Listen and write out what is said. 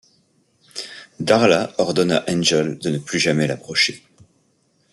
Darla ordonne à Angel de ne plus jamais l'approcher.